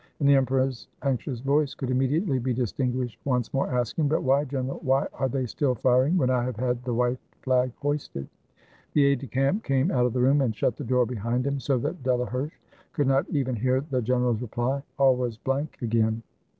And the emperor's anxious voice could immediately be distinguished, once more asking: "But why. General, why are they still firing when I have had the white flag hoisted?" The aide de camp came out of the room and shut the door behind him, so that Delaherche could not even hear the general's reply. All was blank again.